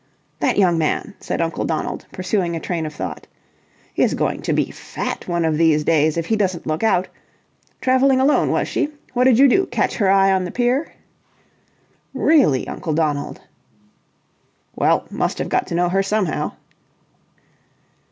"That young man," said Uncle Donald, pursuing a train of thought, "is going to be fat one of these days, if he doesn't look out. Travelling alone, was she? What did you do? Catch her eye on the pier?" "Really, Uncle Donald!" "Well, must have got to know her somehow."